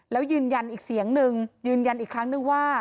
แล้วยืนยันอีกเสียงนึงยืนยันอีกครั้งนึงว่า